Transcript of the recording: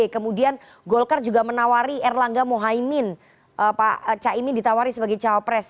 kemudian golkar juga menawari erlangga mohaimin pak caimin ditawari sebagai cawapres